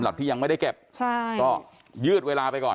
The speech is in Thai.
สำหรับที่ยังไม่ได้แก็บก็ยืดเวลาไปก่อน